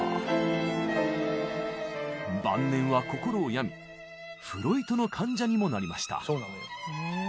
晩年は心を病みフロイトの患者にもなりました。